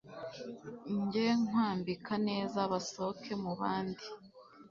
njye nkwambika neza basoke mubandi